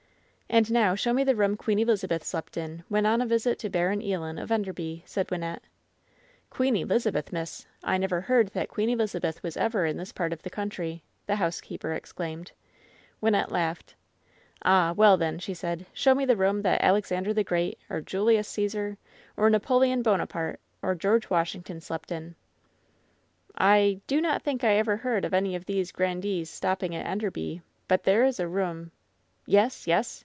"And now show me the room Queen Elizabeth slept in when on a visit to Baron Ealon, of Enderby," said Wynnette. "Queen Elizabeth, miss ! I never heard that Queen Elizabeth was ever in this part of the country 1" the housekeeper exclaimed^ Wynnette laughed. LOVE'S BITTEREST CUP 191 "Oh, well, then,'' she said, "show me the room that Alexander the Great, or Julius Csesar, or Napoleon Bonaparte, or Gteorge Washington slept in." "I — do not think I ever heard of any of these gran dees stopping at Enderby. But there is a room ^" "Yes, yes